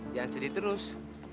jangan sedih terus